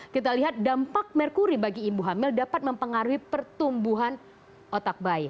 kita lihat dampak merkuri bagi ibu hamil dapat mempengaruhi pertumbuhan otak bayi